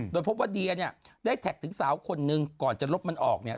โดยพบว่าเดียเนี่ยได้แท็กถึงสาวคนนึงก่อนจะลบมันออกเนี่ย